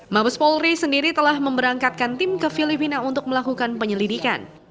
mabes polri sendiri telah memberangkatkan tim ke filipina untuk melakukan penyelidikan